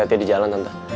hati hati di jalan tante